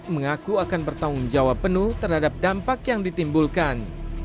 mengaku akan bertanggung jawab penuh terhadap dampak yang ditimbulkan